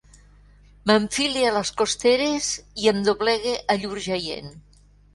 M'enfile a les costeres i em doblegue a llur jaient.